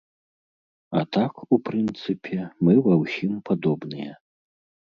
А так, у прынцыпе, мы ва ўсім падобныя.